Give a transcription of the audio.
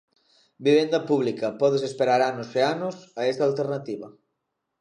Vivenda pública podes esperar anos e anos a esa alternativa.